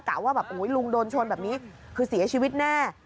ว่าแบบลุงโดนชนแบบนี้คือเสียชีวิตแน่